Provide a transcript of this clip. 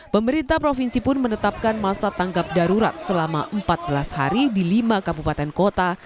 pemerintah provinsi pun menetapkan masa tanggap darurat selama empat belas hari di lima kabupaten kota